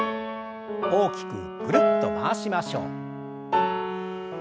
大きくぐるっと回しましょう。